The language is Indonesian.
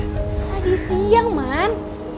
tadi siang man